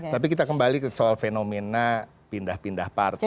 tapi kita kembali ke soal fenomena pindah pindah partai